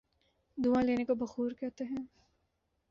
دھواں لینے کو بخور کہتے ہیں۔